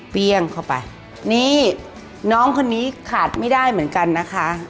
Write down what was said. เข้าไปนี่น้องคนนี้ขาดไม่ได้เหมือนกันนะคะ